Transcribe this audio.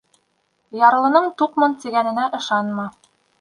Ярлының «туҡмын» тигәненә ышанма.